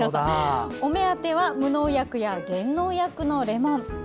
お目当ては無農薬や減農薬のレモン。